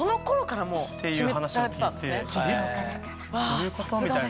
どういうこと？みたいな。